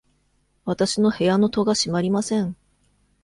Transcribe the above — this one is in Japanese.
わたしの部屋の戸が閉まりません。